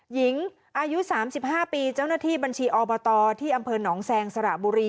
หญิงอายุ๓๕ปีเจ้าหน้าที่บัญชีอบตที่อำเภอหนองแซงสระบุรี